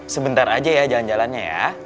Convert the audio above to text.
sebentar aja ya jalan jalannya ya